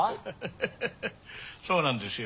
ハハハそうなんですよ